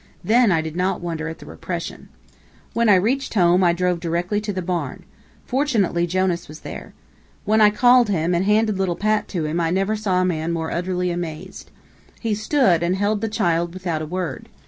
Then I did not wonder at the repression. When I reached home, I drove directly to the barn. Fortunately, Jonas was there. When I called him and handed little Pat to him I never saw a man more utterly amazed. He stood, and held the child without a word.